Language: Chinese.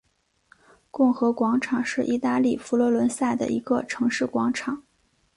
共和广场是意大利佛罗伦萨的一个城市广场。